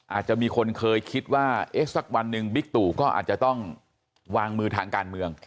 อาจจะมีคนเคยคิดว่าสักวันหนึ่งบิ๊กตู่ก็อาจจะต้องวางมือทางการเมือง